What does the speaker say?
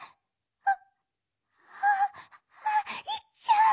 あっああいっちゃう。